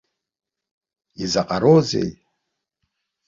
Изаҟароузеи?